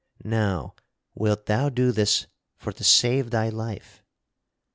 Now wilt thou do this for to save thy life?"